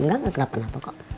enggak kenapa kenapa kok